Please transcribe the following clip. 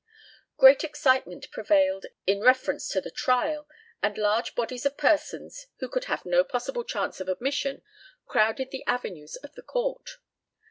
Great excitement prevailed in reference to the trial, and large bodies of persons who could have no possible chance of admission crowded the avenues of the court.